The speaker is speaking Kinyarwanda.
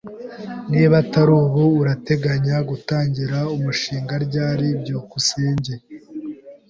Niba atari ubu, urateganya gutangira umushinga ryari? byukusenge